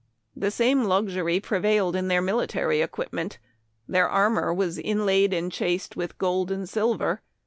The same luxury prevailed in their military equipments. Their armor was inlaid and chased with gold and silver.